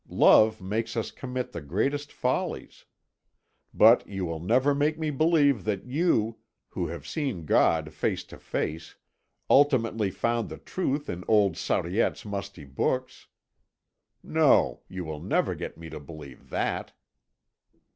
Love makes us commit the greatest follies. But you will never make me believe that you, who have seen God face to face, ultimately found the truth in old Sariette's musty books. No, you will never get me to believe that!"